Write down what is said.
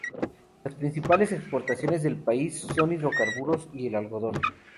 Las principales exportaciones del país son los hidrocarburos y el algodón.